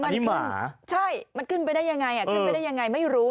มันหมาใช่มันขึ้นไปได้ยังไงอ่ะขึ้นไปได้ยังไงไม่รู้